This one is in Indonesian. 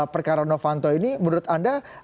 perkara novanto ini menurut anda